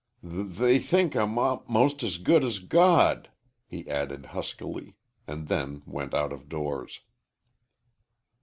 "Th they think I'm m most as good as God," he added, huskily, and then he went out ofdoors.